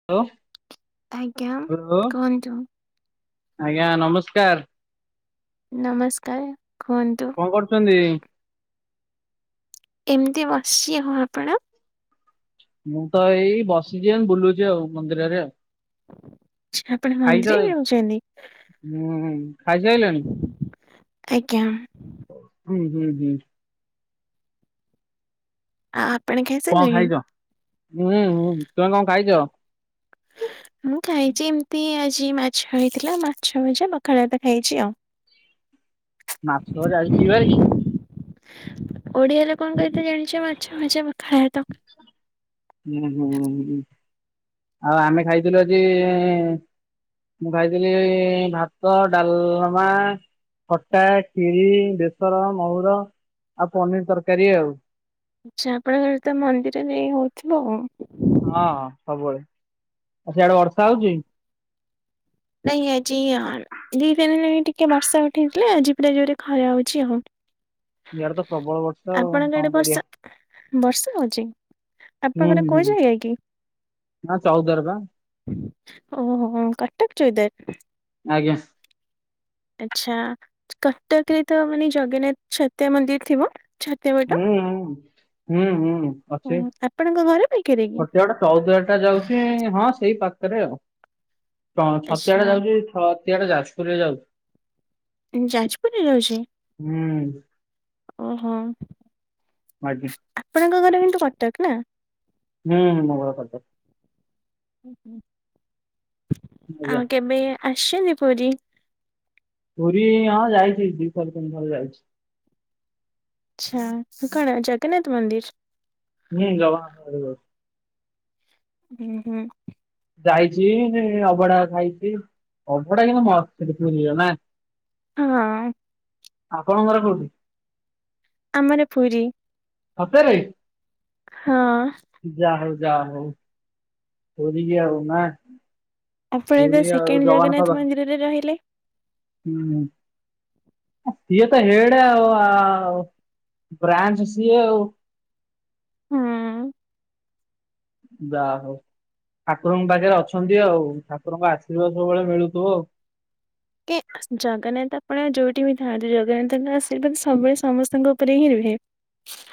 [unintelligible] ଆଜ୍ଞା ହ୍ୟାଲୋ କୁହନ୍ତୁ। ଆଜ୍ଞା ନମସ୍କାର। ନମସ୍କାର କୁହନ୍ତୁ। କଣ କରୁଛନ୍ତି? ଏମିତି ବସିଛି ହଉ ଆପଣ? ମୁଁ ତ ଏଇ ବସିଛି ବୁଲୁଛି ଆଉ ମନ୍ଦିରରେ ଆଉ। ଆପଣ ଖାଇଛ ମନ୍ଦିରରେ ରହୁଛନ୍ତି ହଁ ଖାଇସାଇଲଣି? ଆଜ୍ଞା। ହୁଁ ହୁଁ ହୁଁ। ଆ କଣ ଖାଇଛ ଉୁଁ ହୁଁ ତୁମେ କଣ ଖାଇଛ? ମୁଁ ଖାଇଛି ଏମିତି ଆଜି ମା ଛ ହେଇଥିଲା ମାଛ ଭଜା ପଖାଳ ଭାତ ଖାଇଛି ଆଉ। ମାଛ ଭଜା ଆଜି କି ବାର କି? ଓଡିଆରେ କଣ କହିଥ ଜାଣିଛ ମାଛ ଭଜା ପଖାଳ ଭାତ ହୁଁ ହୁଁଁ। ଆଉ ଆମେ ଖାଇଥିଲୁ ଆଜି ମୁଁ ଖାଇଥିଲି ଭାତ ଡାଲମା ଖଟା ଖିରି ବେସନ ମହୁୁର ଆଉ ପନିର ତରକାରୀ ଆଉ। ଆଛା ଆପଣଙ୍କ ଘରେ ତ ମନ୍ଦିର ଯେ ହଉଥିବ ଆଉ। ହଁ ହଁ ସବୁବେଳେ। ଆଉ ସିଆଡେ ବର୍ଷା ହଉଚି? ନ ଆଜି ଆ ଦି ପାରି ଟିକେ ବର୍ଷା ଉଠେଇଥିଲା ଆଉ [unintelligible] ଖରା ହଉଚି ଆଉ। ଇଆଡେ ତ ପ୍ରବଳ ବର୍ଷା ଆଉ ଆପଣଙ୍କ କଣ ଆଡେ କରିବା। ବର୍ଷା ବର୍ଷା ହଉଚି। ହୁଁ ଆପଣଙ୍କରେ କୁଉ ହୁଁ ଜାଗା କି? ନା ଚଉଦ୍ୱାର ପା। ଓହୋ କଟକ ଚୋଇଦ୍ବାର। ଆଜ୍ଞା। ଆଛା କଟକରେ ତ ମାନେ ଜଗନ୍ନାଥ ଛତିଆ ମନ୍ଦିର ଥିବ। ଛତିଆ ବଟ। ହୁଁ ହଁ ହୁଁ ହୁଁ ହୁଁ ଅଛି ଆପଣଙ୍କ ଘର ପାଖରେ କି? ଖଟିଆଡ ଚଉଦ୍ୱାର ଟା ଯାଉଚି ହଁ ସେଇ ପାଖରେ ଆଉ ଆ ଛତିଆ ଆଚ୍ଛା ଟା ଯାଉଚି ଛଅ ଏତିଆଡେ ଯାପୁରରେ ଯାଉଚି। ଈ ଯାଜପୁରରେ ଯାଉଚି? ହୁଁ। ଓହୋ। ଆଜ୍ଞା। ଆପଣଙ୍କ ଘର କିନ୍ତୁ କଟକ ନା? ନାଇ ଆମ ଘର କଟକ। ଉ ହୁଁ ଆଜ୍ଞା ଆଉ କେବେ ଆସିଚନ୍ତି ପୁରୀ? ପୁରୀ ହଁ ଯାଇଚି ଦିଥର ତିନିଥର ଯାଇଛି। ଆଚ୍ଛା କଣ ଜଗନ୍ନାଥ ମନ୍ଦିର? ନାଇ ଜଗନ୍ନାଥ ମନ୍ଦିର। ହୁଁ ହୁଁ। ଯାଇଚି ଅବଢା ଖାଇଚି ଅଭଡା କିନ୍ତୁ ମସ୍ତ୍ ସେଠି ମିଳିବ ନା? ହଁ। ଆପଣଙ୍କ ଘର କୋଉଠି? ଆମର ପୁରୀ। ସତରେ? ହଁ। ଯା ହଉ ଯା ହଉ ପୁରୀ କି ନା? ଆପଣ ଏଟା ପୁରୀ ଆଉ ସେକେଣ୍ଡ ଜଗନ୍ନାଥ ମନ୍ଦିରରେ ରହିଲେ। ହୁଁ। ସିଏ ତ ହେଡେ ଆଉ ଆ ବ୍ରାଞ୍ଚ ସିଏ ଆଉ। ହଁ। ଯା ହଉ ଠାକୁରଙ୍କ ପାଖରେ ଅଛନ୍ତି ଆଉ। ଠାକୁରଙ୍କ ଆଶୀର୍ବାଦ ସବୁବେଳେ ମିଳୁଥିବ ଆଉ। କି ଜଗନ୍ନାଥ ଆପଣ ଯଉଁଠି ବି ଥାଆନ୍ତୁ ଜଗନ୍ନାଥଙ୍କ ଆଶୀର୍ବାଦ ସବୁବେଳେ ସମସ୍ତଙ୍କ ଉପରେ ହିଁ ରୁହେ।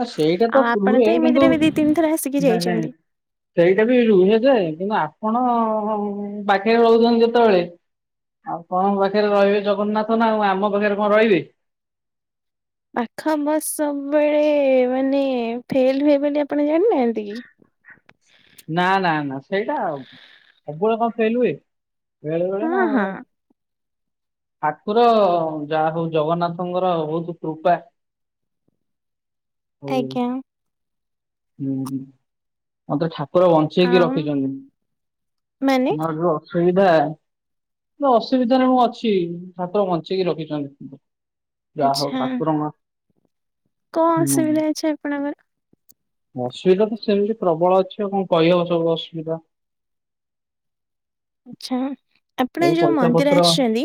ନା ସେଇଟା ତ ଆଉ ଆପଣ ରୁହେ କିନ୍ତୁ ଏମିତିରେ ବି ଦି ତିନି ଥର ଆସିକି ନାଇଁ ନାଇଁ। ଯାଇଛନ୍ତି। ସେଇଟା ବି ରୁହେ ଯେ କିନ୍ତୁ ଆପଣ ପାଖରେ ରହୁଚନ୍ତି ଯେତେବେଳେ। ଆଉ କଣ ପାଖରେ ରହିବେ ଜଗନ୍ନାଥ ନା। ଆଉ ଆମ ପାଖରେ କଣ ରହିବେ? ପାଖ ବସ ସବୁବେଳେ ମାନେ ଫେଲ ହୁଏ ବୋଲି ଆପଣ ଜାଣିନାହାନ୍ତି କି? ନା ନା ନା ସେଇଟା ସବୁବେଳେ କଣ ଫେଲ ହଏ? ବେଳେବେଳେ ନା। ହଁ ହଁ ଠାକୁର ଯାହା ହଉ ଜଗନ୍ନାଥଙ୍କର ବହୁତ କୃପା। ହ ଆଜ୍ଞା ହୁଁ ଆ ତ ଠା ଉପରେ ବଞ୍ଚେଇକି ଆଉ ମାନେ ରଖିଚନ୍ତି। ମର ଯୋଉ ଅସୁବିଧା ଅସୁବିଧାରେ ମୁଁ ଅଛି ଠାକୁର ବଞ୍ଚେଇକି ରଖିଚନ୍ତି [unintelligible] ଯାହଉ ଆଚ୍ଛା ଠାକୁର [unintelligible] କଣ ଅସୁବିଧା ଅଛି ଆପଣଙ୍କର। ଅସୁବିଧା ତ ସେମିତି ପ୍ରବଳ ଅଛି ଆଉ କଁ କହିହବ ସବୁ ଅସୁବିଧା। ଆଛା ଆପଣ ଏଇ ଯୋଉ ପଇସା ମନ୍ଦିର ପତ୍ର ଆସିଛନ୍ତି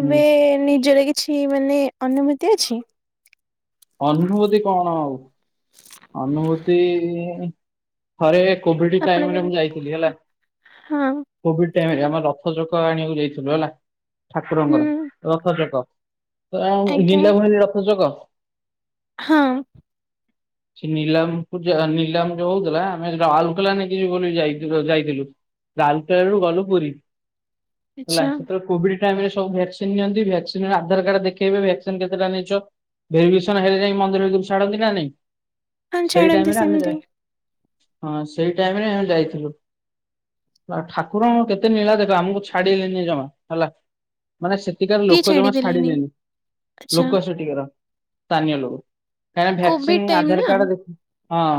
ହୁଁ ନିଜରେ କି ଛି ମାନେ ଅନୁଭୂତି ଅଛି। ଅନୁଭୂତି କଣ ଆଉ ଅନୁଭୂତି। ଥରେ କୋଭିଡ଼ି ଆପଣ ଟାଇମରେ କେବେ ମୁଁ ଯାଇଥିଲି ହେଲା। ହଁ କୋଭିଡ଼ି ଟାଇମ ରେ ଆମେ ରଥଚକ ଆଣିବାକୁ ଯାଇଥିଲୁ ହେଲା। ହୁଁ ଠାକୁରଙ୍କର ରଥଚକ [unintelligible] ଆଜ୍ଞା ନିଲାମ ହୁଏନି ରଥଚକ। ହଁ। ସେ ନିଲାମକୁ ନିଲାମ ଯୋଉ ହୋଉଥୁଲା ଆମେ ରାଓଲକେଲା ନେଇକି ଯିବୁ ବୋଲି ଯାଇଥିଲୁ ଯାଇଥିଲୁ। ରାଉଲକେଲା ରୁ ଗଲୁ ପୁରୀ ହେଲା ଆଚ୍ଛା। [unintelligible] କୋଭିଡି ଟାଇମ ରେ ସବ ଭ୍ୟାକ୍ସିନ ନିଅନ୍ତି ଭକ୍ସିନ ଆଧାର କାର୍ଡ ଦେଖେଇବେ ଭ୍ୟାକ୍ସିନ କେତେଟା ନେଇଚ। ଭେରିଫିକସନ ହେଲେ ଯାଇ ମନ୍ଦିର [unintelligible] ଛାଡନ୍ତି ନା ନାଇଁ ହଁ ସେଇ ଛାଡନ୍ତି ଟାଇମରେ ଆମ ସେମିତି ଯା ହଁ ସେଇ ଟାଇମ ରେ ଆମେ ଯାଇଥିଲୁ [unintelligible] କୁରଙ୍କୁ କେତେ ନୀଳା ଦେଖି ଆମୁକୁ ଛାଡିଲେନି ଜମା ହେଲା। ମାନେ ସେଠିକାର କିଏ ଲୋକୋ ଜମା ଛାଡିଦେଲେନି ଛାଡିଲେନି ଆଚ୍ଛା ଲୋକ ସେଠିକାର। ସ୍ଥାନୀୟ ଲୋକ। [unintelligible] କୋଭିଡ ଭ୍ୟାକ୍ସିନ୍ ଟାଇମ ଆଧାର ନା କାର୍ଡ ଦେଖି ହଁ।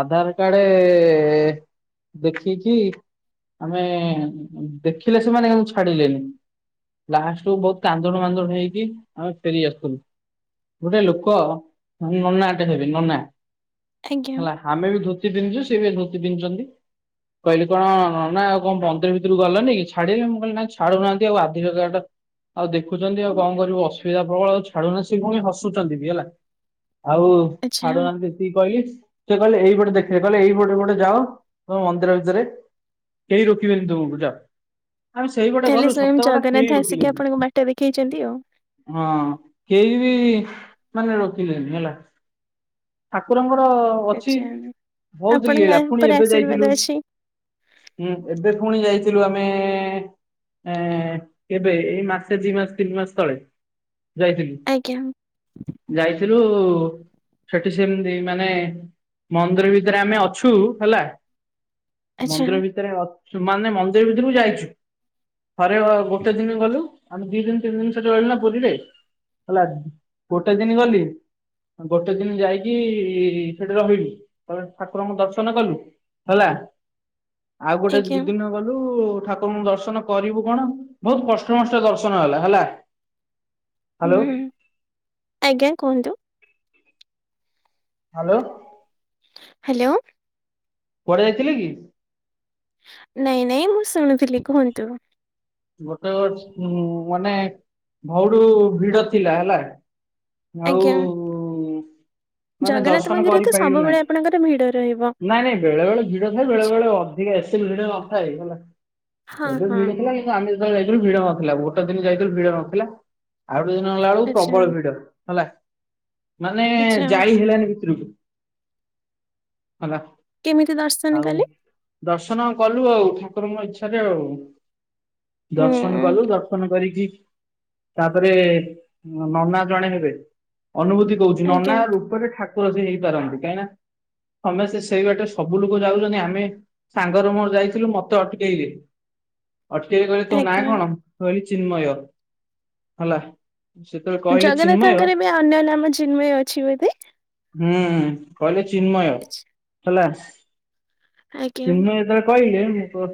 ଆଧାର କାର୍ଡେ ଦେଖିକି ଆମେ ଦେଖିଲେ ସେମାନେ କିନ୍ତୁ ଛାଡିଲେନି। ଲାଷ୍ଟକୁ ବୋହୁତ କାନ୍ଦୁଣୁ ମନ୍ଦୁଣୁ ହେଇକି ଆମେ ଫେରି ଆସୁଥୁଲୁ। ଗୋଟେ ଲୋକ ନନାଟେ ହେବେ ନନା ଆଜ୍ଞା ହେଲା। ଆମେ ବି ଧୋତି ପିନ୍ଧଚୁ ସିଏ ବି ଧୋତି ପିନ୍ଧିଚନ୍ତି। କହିଲି କଣ ନନା ଆଉ କଁ ମନ୍ଦିର ଭିତୁରୁକୁ ଗଲନି ଛାଡିଲେ ମୁଁ କହିଲି ନାଁ ଛାଡୁନାହାନ୍ତି ଆଉ ଆଧିର କାର୍ଡଟା ଆଉ ଦେଖୁଚନ୍ତି ଆଉ କଁ କରିବୁ ଅସୁବିଧା ପ୍ରବଳ ଆଉ ଛାଡୁନାହା ସଏ ଫୁଣି ହସୁଚନ୍ତି ବି ହେଲା ଆଉ ଆଚ୍ଛା। ଛାଡୁନାହାନ୍ତି। ତି କହିଲି ସେ କହିଲେ ଏଇପଟେ ଦେଖେ କହିଲେ ଏଇପଟ ପଟେ ଯାଉ ତମେ ମନ୍ଦିର ଭିତରେ କେହି ରୋକିବେନି ତୁମକୁ ଯାଅ। ଆମେ ସେଇପଟେ ତାହେଲେ ଗଲୁ ସ୍ଵୟଂ ସତ କଥା କେହି ଜଗନ୍ନାଥ ଆସିକି ରୋକିଲେନି ଆପଣଙ୍କୁ ବାଟ ଦେଖେଇଛନ୍ତି ଆଉ। ହଁ। କେହି ବି ମାନେ ରୋକିଲେନି ହେଲା ଠାକୁରଙ୍କର ଅଛି ଆଚ୍ଛା ବୋହୁତୁ ଆପଣଙ୍କ ଲୀଳା ଫୁଣି ଉପରେ ଏବେ ଆଶୀର୍ବାଦ ଯାଇଥିଲୁ। ଅଛି ହୁଁ ଏବେ ଫୁଣି ଯାଇଥିଲୁ ଆମେ ଏଁ କେବେ ଏଇ ମାସେ ଦି ମାସ ତିନି ମାସ ତଳେ ଯାଇଥିଲି। ଆଜ୍ଞା। ଯାଇଥିଲୁ ସେଠି ସେମିତି ମାନେ ମନ୍ଦିର ଭିତରେ ଆମେ ଅଛୁ ହେଲା। ଆଚ୍ଛା ମନ୍ଦିର ଭିତରେ ଅଛୁ ମାନେ ମନ୍ଦିର ଭିତୁରୁକୁ ଯାଇଛୁ। ଥରେ ଅ ଗୋଟେ ଦିନି ଗଲୁ ଆମେ ଦି ଦିନ ତିନି ଦିନ ସେଠି ରହିଲୁନା ପୁରୀରେ ହେଲା ଗୋଟେ ଦିନି ଗଲି ଗୋଟେ ଦିନି ଯାଇକି ସେଠି ରହିଲୁ ତାପରେ ଠାକୁରଙ୍କୁ ଦର୍ଶନ କଲୁ। ହେଲା ଆଉ ଗୋଟେ ଆଜ୍ଞା। ଦି ଦିନ ଗଲୁ ଠାକୁରଙ୍କୁ ଦର୍ଶନ କରିବୁ କଣ ବୋହୁତ କଷ୍ଟେ ମଷ୍ଟେ ଦର୍ଶନ ହେଲା ହେଲା। ହ୍ୟାଲୋ ହୁଁ। ଆଜ୍ଞା କୁହନ୍ତୁ। ହାଲୋ। ହାଲୋ। କୁଆଡେ ଯାଇଥିଲେ କି? ନାଇଁ ନାଇଁ ମୁଁ ଶୁଣୁଥୁଲି କୁହନ୍ତୁ। ଗୋଟେ ଅଛ ଉଁ ମାନେ [unintelligible] ଭିଡ ଥିଲା ହେଲା। ଆଉ ଆଜ୍ଞା ମାନେ ଜଗନ୍ନାଥ ଦର୍ଶନ ମନ୍ଦିର ତ କରିପାରିଲୁ ସବୁବେଳେ ନାହିଁ ଆପଣଙ୍କର ଭିଡ ରହିବ। ନାଇଁ ନାଇଁ ବେଳେ ବେଳେ ଭିଡ ଥାଏ। ବେଳେ ଆଚ୍ଛା ବେଳେ ଅ ଧିକ୍ ଆମେ ଯେତେବେଳେ ହଁ ହଁ ଯାଇଥିଲୁ ଭିଡ ନଥିଲା। ଗୋଟେ ଦିନ ଯାଇଥିଲୁ ଭିଡ ନଥିଲା। ଆଉ ଗୋଟେ ଦିନ ହେଲା ବେଳକୁ ଆଚ୍ଛା ପ୍ରବଳ ଭିଡ ହେଲା ମାନେ ଆଚ୍ଛା ଜାଳି ହେଲାନି ଭିତରକୁ। ହେଲା। କେମିତି ଦର୍ଶନ ଆଉ କଲେ? ଦର୍ଶନ କଲୁ ଆଉ ଠାକୁରଙ୍କ ଇଚ୍ଛାରେ ଆଉ। ହୁଁ ଦର୍ଶନ କଲୁ। ଦର୍ଶନ କରିକି ତାପରେ ନନା ଜଣେ ହେବେ ଅନୁଭୂତି କହୁଛି ଆଜ୍ଞା ନନା ରୂପରେ ଠାକୁ ଠାକୁର ସେ ହେଇପାରନ୍ତି କାହିଁକି ନା ତମେ ସେ ସେଇ ବାଟେ ସବୁ ଲୋକ ଯାଉଛନ୍ତି। ଆମେ ସାଙ୍ଗରେ ମୋର ଯାଇଥିଲୁ ମତେ ଅଟକେଇଲେ। ଅଟକିରି କହିଲେ ତୋ ନା ଆଜ୍ଞା। କଣ କହିଲି ଚିନ୍ମୟ ହେଲା। ସେତେବେଳେ କହିଲେ ଚିନ୍ମୟ ହୁଁ ଜଗନ୍ନାଥଙ୍କର ବି ଅନ୍ୟ ନାମ ଚିନ୍ମୟ ଅଛି ବୋଧେ? ହୁଁ କହିଲେ ଚିନ୍ମୟ ଆଚ୍ଛା, ହେଲା। ଆଜ୍ଞା ଚିନ୍ମୟ ଯେତେବେଳେ କହିଲେ ମୁଁ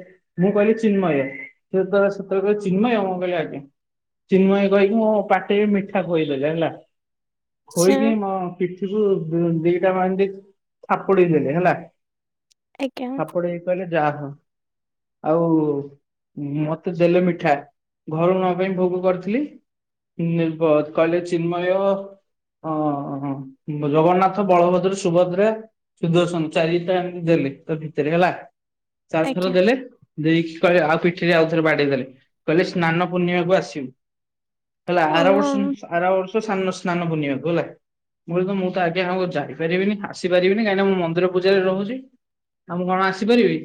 ମୁଁ କହିଲି ଚିନ୍ମୟ ସେତେଳେ ସେତଳେ କହିଲେ ଚିନ୍ମୟ ମୁଁ କହିଲି ଆଜ୍ଞା। ଚିନ୍ମୟ କହିକି ମୋ ପାଟିରେ ମିଠା ଖୁଆଇଦେଲେ ହେଲା। ଆଚ୍ଛା ଖୋଇକି ମ ପିଠିବୁ ଦିଟା ମାଡି ଥାପୁଡ଼େଇ ଦେଲେ ହେଲା ଆଜ୍ଞା ଥାପୁଡେଇ କହିଲେ ଯାହା ହୋଉ। ଆଉ ମତେ ଦେଲେ ମିଠା ଘରୁ ନ ପାଇଁ ଭୋଗ କରିଥିଲି। ନିର୍ଭତ କାଲେ ଚିନ୍ମୟ? ଓ ଜଗନ୍ନାଥ ବଳଭଦ୍ର ସୁଭଦ୍ରା। ସୁଦର୍ଶନ ଚାରିଟା ଏମ୍ ତି ଦେଲେ ତ ଭିତରେ ହେଲା ଚାରିଥର ଆଜ୍ଞା ଦେଲେ। ଦେଇକି କହିଲେ ଆଉ ପିଠିରେ ଆଉ ଥରେ ବାଡେଇଦେଲେ କହିଲେ ସ୍ନାନ ପୂର୍ଣ୍ଣିମା କକୁ ଆସିବୁ। ହେଲା ଆର ଓ ବର୍ଷନି ଆ ଆସିପାରିବିନି କାହିଁକିନା ମୁଁ ମନ୍ଦିର ପୂଜାରେ ରହୁଛି ଆଉ ମୁଁ କଣ ଆସିପାରିବି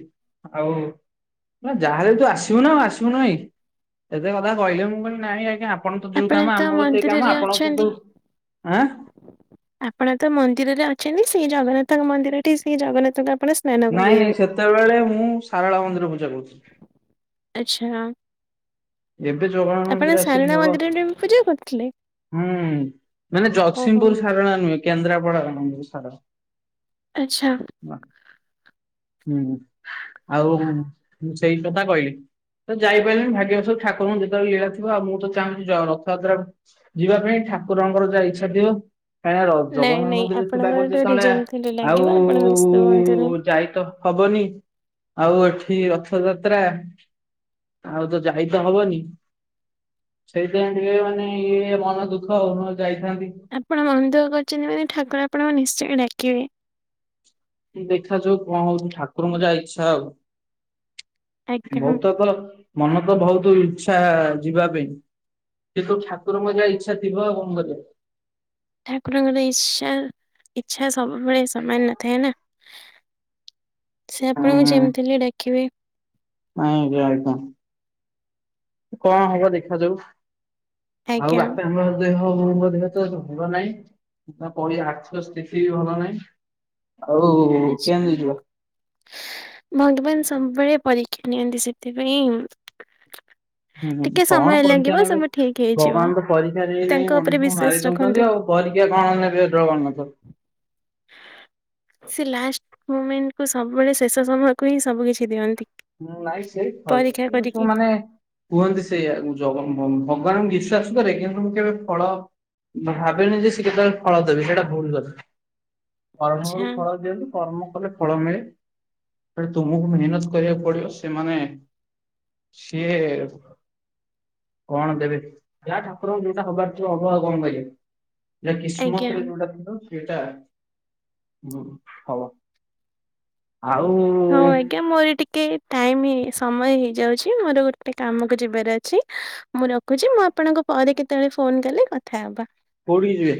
ଆଉ ନା ଯାହାେଲେ ତୁ ଆସିବୁ ନା ଆସିବୁ କାହିଁକି ଏତେ କଥା କହିଲେ ମୁଁ କହିଲି ନାଇଁ ଆଜ୍ଞା ଆପଣ ତ ଯୋଉ କାମ ତ ଆମର ସେଇ ମନ୍ଦିରରେ କାମ ଆପଣ ଅଛନ୍ତି। ଆପଣ ତ ମନ୍ଦିରରେ ଅଛନ୍ତି। ସେଇ ଜଗନ୍ନାଥଙ୍କ ମନ୍ଦିର ଠି ସେଇ ଜଗନ୍ନାଥଙ୍କୁ ଆପଣ ସ୍ନାନ ନାଇଁ କରେଇବେ। ନାଇଁ ସେତେବେଳେ ମୁଁ ସାରଳା ମନ୍ଦିର ପୂଜା କହୁଥିଲି। ଆଚ୍ଛା। ଏବେ ଯୋଗାଣ ଆପଣ ମନ୍ଦରେ ସାରଳା ଆସିଲି ହବ। ମନ୍ଦିରରେ ବି ପୂଜା କରୁଥିଲେ? ହୁଁ ମାନେ ଓହୋ ଜଗତସିଂହପୁର ସାରଳା ନୁହେଁ। କେନ୍ଦ୍ରାପଡା ରେ ଆରମ୍ଭ ହୋଉଛି ଚାଡ଼। ଆଚ୍ଛା। ହ ହୁଁ ଆଉ ମୁଁ ସେଇ କଥା କହିଲି। ତ ଯାଇପାରିଲିନି ଭାଗ୍ୟବଶ ଠାରଙ୍କୁ ଯେତେବେଳେ ଲୀଳା ଥିବଉ ମୁଁ ତ ଚାହୁଁଛି ରଥଯାତ୍ରା ଯିବା ପାଇଁ ଠାକୁରଙ୍କର ଯାହା ଇଚ୍ଛା ଦିଅ। କାହିଁକି ନା ନାଇଁ ଜଗନ୍ନାଥ ନାଇଁ ମନ୍ଦିରରେ ଆପଣଙ୍କର ଥିବାଗରୁ ଟିକେ ଯେତେବେଳେ ରିଜେମ୍ ଥିଲେ ଆଉ ଲାଗିବ ଆପଣ ବ୍ୟସ୍ତ ହୁଅନ୍ତୁନି। ଯାଇତ ହବନି ଆଉ ଏଠି ରଥଯାତ୍ରା ଆଉ ତ ଯାଇ ତ ହବନି ସେଇଥିପାଇଁ ଟିକେ ମାନେ ଇଏ ମନ ଦୁଃଖ ହଁ ଯାଇଥାନ୍ତି। ଆପଣ ମନ୍ଦୁଃ କରିଛନ୍ତି ବୋଲିାନେ ଠାକୁର ଆପଣଙ୍କ ନିଶ୍ଚୟ ଡାକିବେ। ଦେଖା ଯାଉ କଣ ହଉଛି ଠାକୁରଙ୍କ ଯାହା ଇଚ୍ଛା ଆଉ। ଆଜ୍ଞା। ବହୁତ ତ ତ ମନ ତ ବହୁତ ଇଚ୍ଛା ଯିବା ପାଇଁ। ତୁ ଠାକୁରଙ୍କ ଯାହା ଇଚ୍ଛା ଥିବ ଆ କଣ କରିବା। ଠାକୁରଙ୍କର ଇଛା ଇଚ୍ଛା ସବୁବେଳେ ସମାନ ନଥାଏ ନା। ସେ ହୁଁ ଆପଣଙ୍କୁ ଯେମିତି ଡାକି ବେ। ନାଇଁ ଆଜ୍ଞା କଣ ହବ ଦେଖାଯାଉ। ଆଉ। ଆଜ୍ଞା। [unintelligible] ଦେହ ବୋଉ ଙ୍କ ଦେହ ତ ଏତେ ଭଲ ନାହିଁ। ତାପରେ ଆର୍ଥିକ ସ୍ଥିତି ବି ଭଲ ନାହିଁ। ଆଉ କେମିତି ଯିବ। [unintelligible] ଭଗବାନ୍ ସବୁବେଳେ ପରୀକ୍ଷା ନିଅନ୍ତି। ସେଥିପାଇଁ ହୁଁ ଟିକେ କଣ ସମୟ ପରୀକ୍ଷା ଲାଗିବ ନେବେ, ସବୁ ଠିକ ହେଇଯିବ ଭଗବାନ ତ ପରୀକ୍ଷା ନେଇ ତାଙ୍କ ନେଇ ଉପରେ ମଣିଷକୁ ବିଶ୍ଵାସ ମାରି ରଖନ୍ତୁ। ଦଉଛନ୍ତି ଆଉ। ପରୀକ୍ଷା କଣ ନେବେ ଜଗନ୍ନାଥ? ସେ ଲାଷ୍ଟ ମୁମେଣ୍ଟକୁ ସବୁବେଳେ ଶେଷ ସମୟକୁ ହିଁ ସବୁ କିିଛି ଦିଅନ୍ତି। ମୁଁ ନାଇଁ ସେଇ ପରୀକ୍ଷା କରିକି। [unintelligible] ମାନେ କୁହନ୍ତି ସେଇଆ ଜଗ ଭଗବାନଙ୍କୁ ବିଶ୍ୱାସ କରେ କିନ୍ତୁ ମୁଁ କେବେ ଫଳ ମୁଁ ଭାବିନେ ଯେ ସେ କେତେବେଳେ ଫଳ ଦେବେ। ସେଇଟା ଭୁଲ୍ କଥା। ଆଚ୍ଛା କର୍ମରୁ ଫଳ ଦିଅନ୍ତୁ କର୍ମ କଲେ ଫଳ ମିଳେ। କିନ୍ତୁ ତୁମକୁ ମେହେନତ୍ କରିବାକୁ ପଡିବ ସେମାନେ ସେ କଣ ଦେବେ, ଯାହା ଠାକୁର ଙ୍କୁ ଯୋଉଟା ହବାର ଥିବ ହବ ଆଉ କଣ କରିବେ। ଯାହା ଆଜ୍ଞା। କିସ୍ମତ୍ ରେ ଯୋଉଟା ଥିବ ସେଇଟା ହବ। ଆଉ ହଁ ଆଜ୍ଞା ମୋର ଟିକେ ଟାଇମ ସମୟ ହେଇଯାଉଛି ମୋର ଗୋଟେ କାମକୁ ଯିବାର ଅଛି। ମୁଁ ରଖୁଚି ମୁଁ ଆପଣଙ୍କୁ ପରେ କେତେବେଳେ ଫୋନ୍ କଲେ କଥାହବା। କୋଉଠିକି ଯିବେ?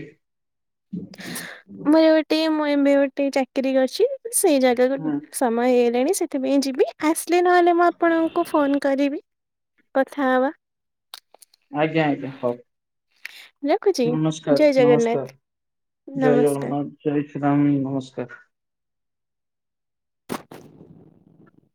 ମୁଁ ଏବେ ଟିକେ [unintelligible] ଚାକିରୀ ଅଛି ସେଇ ଜାଗା କୁ ହୁଁ ସମୟ ହେଇଗଲାଣି ସେଥିପାଇଁ ଯିବି। ଆସିଲେ ନହେଲେ ମୁଁ ଆପଣଙ୍କୁ ଫୋନ୍ କରିବି କଥା ହବା। ଆଜ୍ଞା ଆଜ୍ଞା ହଉ। ରଖୁଛି ଜୟ ନମସ୍କାର ଜଗନ୍ନାଥ ନମସ୍କାର ଜୟ ନମସ୍କାର। ଜଗନ୍ନାଥ। ଜୟ ଶ୍ରୀରାମ ନମସ୍କାର। [inaudible]